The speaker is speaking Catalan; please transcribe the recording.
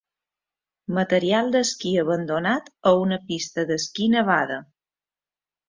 Material d'esquí abandonat a una pista d'esquí nevada